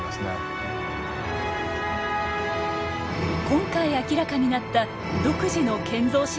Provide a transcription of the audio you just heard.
今回明らかになった独自の建造システム。